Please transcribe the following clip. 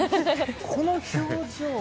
この表情